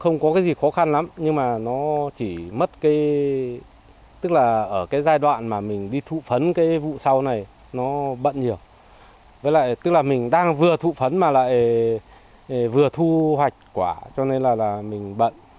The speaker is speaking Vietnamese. nó bận nhiều với lại tức là mình đang vừa thụ phấn mà lại vừa thu hoạch quả cho nên là mình bận